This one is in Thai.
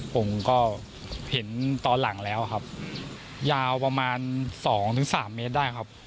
ผมก็เห็นตอนหลังแล้วครับยาวประมาณ๒๓เมตรได้ครับ